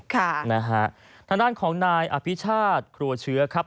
ทางด้านของนายอภิชาติครัวเชื้อครับ